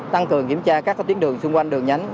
tăng cường kiểm tra các tuyến đường xung quanh đường nhánh